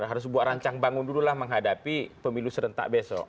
harus buat rancang bangun dulu lah menghadapi pemilu serentak besok